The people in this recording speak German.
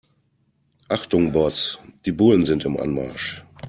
Achtung Boss, die Bullen sind im Anmarsch.